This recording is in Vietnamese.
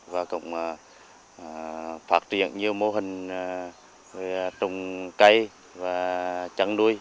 và cũng phát triển nhiều mô hình trồng cây và chăn nuôi